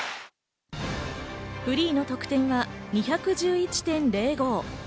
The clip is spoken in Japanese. フリーの得点は２１１．０５。